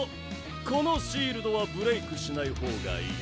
このシールドはブレイクしないほうがいい。